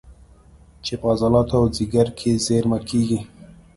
چې په عضلاتو او ځیګر کې زېرمه کېږي